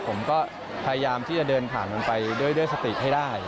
ผมก็พยายามที่จะเดินผ่านมันไปด้วยสติให้ได้